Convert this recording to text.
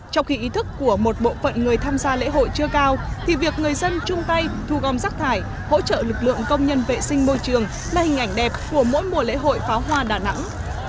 trong khi ý thức của một bộ phận người tham gia lễ hội chưa cao thì việc người dân chung tay thu gom rác thải hỗ trợ lực lượng công nhân vệ sinh môi trường là hình ảnh đẹp của mỗi mùa lễ hội pháo hoa đà nẵng